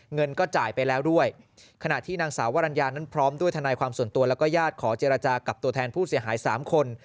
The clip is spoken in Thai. เงินก็จ่ายไปแล้วด้วยขณะที่นางสาววรรณญานั้นพร้อมด้วยทนายความส่วนตัวแล้วก็ญาติขอเจรจากับตัวแทนผู้เสียหายสามคน